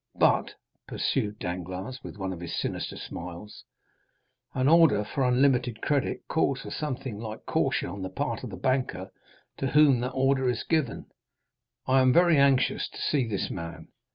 But," pursued Danglars with one of his sinister smiles, "an order for unlimited credit calls for something like caution on the part of the banker to whom that order is given. I am very anxious to see this man.